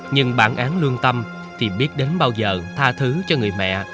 nhưng bản án lương tâm thì biết đến bao giờ tha thứ cho người mẹ